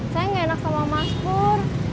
saya ga enak sama mas pur